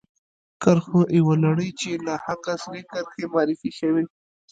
کرښو یوه لړۍ چې ناحقه سرې کرښې معرفي شوې.